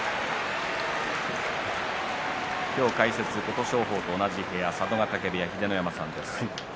今日、解説琴勝峰と同じ部屋佐渡ヶ嶽部屋の秀ノ山さんです。